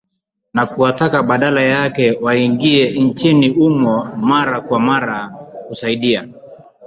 Na kuwataka badala yake waingie nchini humo mara kwa mara kusaidia.